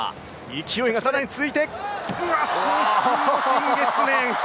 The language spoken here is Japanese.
勢いが更に続いて伸身の新月面。